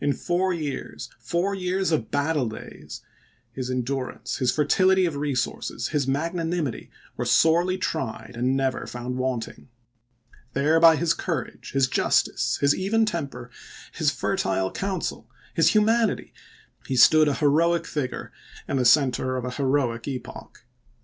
In four years — four years of battle days — his endurance, his fertility of resources, his magnanimity, were sorely tried and never found wanting. There by his courage, his justice, his even temper, his fertile counsel, his humanity, he stood a heroic figure in the center of a heroic epoch.